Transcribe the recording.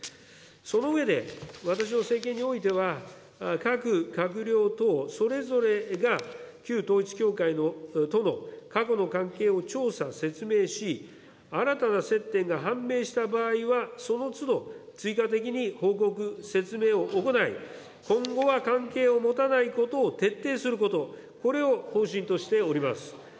その上で、私の政権においては各閣僚等それぞれが旧統一教会との過去の関係を調査、説明し、新たな接点が判明した場合は、そのつど追加的に報告、説明を行い、今後は関係を持たないことを徹底すること、これを方針としております。